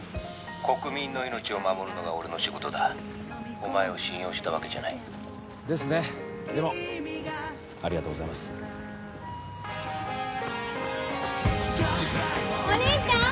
国民の命を守るのが俺の仕事だお前を信用したわけじゃないですねでもありがとうございますお兄ちゃん！